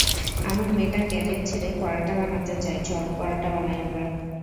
আমার মেয়েটা ক্যারিয়ার ছেড়ে পরাটা বানাতে চায় চল, পরাটা বানাই আমরা।